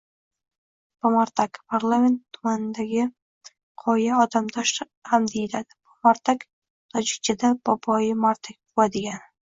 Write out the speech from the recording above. Bamardak - Parkent tumanidagi qoya, Odamtosh ham deyiladi. Bomardak - tojikchada Boboi mardak “buva” degani.